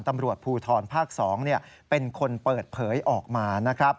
ตำรวจภูทรภาค๒เป็นคนเปิดเผยออกมานะครับ